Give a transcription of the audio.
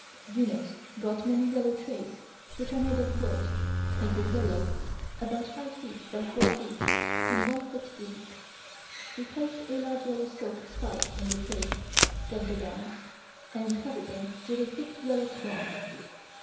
Eunuchs brought many yellow trays, which are made of wood, painted yellow, about five feet by four feet and one foot deep. We placed a large yellow silk scarf in the tray, then the gowns, and covered them with a thick yellow cloth.